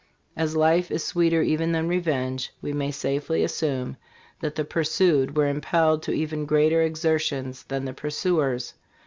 As life is sweeter even than revenge, we may safely as sume that the pursued were impelled to even greater exertions than the pur suers.